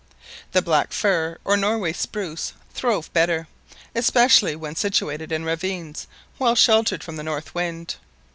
The black fir, or Norway spruce fir, throve better, especially when situated in ravines well sheltered from the north wind.